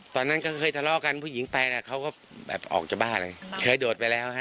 ตอนนั้นก็เคยทะเลาะกันผู้หญิงไปนะเขาก็แบบออกจากบ้านเลยเคยโดดไปแล้วฮะ